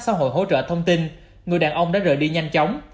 xã hội hỗ trợ thông tin người đàn ông đã rời đi nhanh chóng